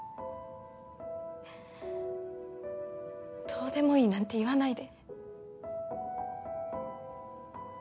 どうでもいいなんて言わないで。